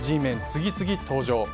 次々登場。